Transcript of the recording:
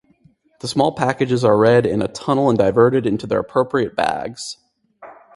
The small packages are read in a tunnel and diverted into their appropriate bags.